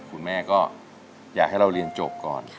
คุณแม่ก็อยากให้เราเรียนจบก่อน